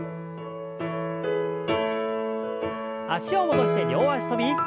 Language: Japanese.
脚を戻して両脚跳び。